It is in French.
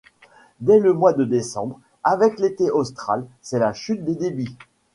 Dès le mois de décembre avec l'été austral, c'est la chute des débits.